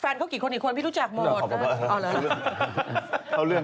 ฟันเขากี่คนอีกคนพี่รู้จักหมด